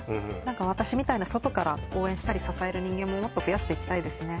私みたいな外から応援したり支える人間ももっと増やしていきたいですね